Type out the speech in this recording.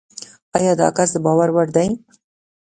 ایا داکس دباور وړ دی؟